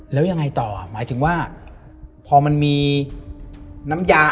แล้วยังไงต่อ